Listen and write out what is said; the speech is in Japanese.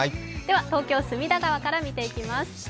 東京・隅田川から見ていきます。